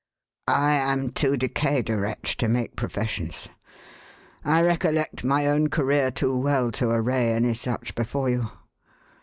" I am too decayed a wretch to make professions ; I recollect my own career too well, to array any such before you.